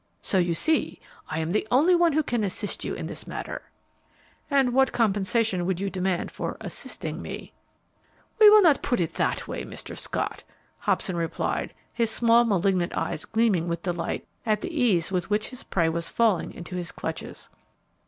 So you see I am the only one who can assist you in this matter." "And what compensation would you demand for 'assisting' me?" "We will not put it that way, Mr. Scott," Hobson replied, his small, malignant eyes gleaming with delight at the ease with which his prey was falling into his clutches.